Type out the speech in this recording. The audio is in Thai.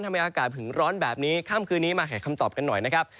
ทำไมอากาศถึงร้อนแบบนี้ค่ำคืนนี้มาหาคำตอบกันหน่อยนะครับ